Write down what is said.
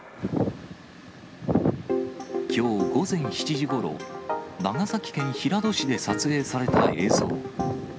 きょう午前７時ごろ、長崎県平戸市で撮影された映像。